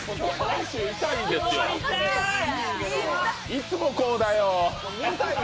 いつもこうだよ。